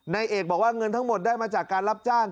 นายเอกบอกว่าเงินทั้งหมดได้มาจากการรับจ้าง